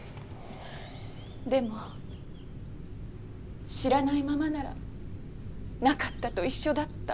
でも知らないままならなかったと一緒だった。